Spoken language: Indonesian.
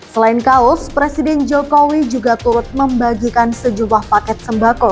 selain kaos presiden jokowi juga turut membagikan sejumlah paket sembako